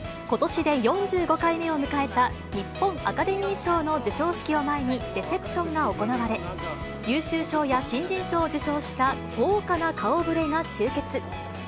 ことしで４５回目を迎えた日本アカデミー賞の授賞式を前に、レセプションが行われ、優秀賞や新人賞を受賞した豪華な顔ぶれが集結。